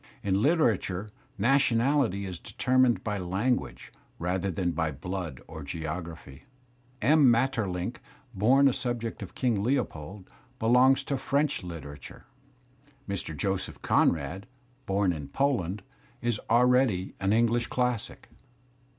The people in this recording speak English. In literatiu^ nationality j is determined by language rather than by blood or geography. / M. Maeterlinck, bom a subject of King Leopold, belongs to French literature. Mr. Joseph Conrad, bom in Poland,. is already an English classic.